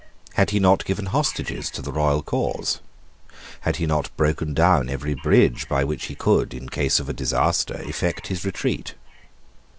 Had he not given hostages to the royal cause? Had he not broken down every bridge by which he could, in case of a disaster, effect his retreat?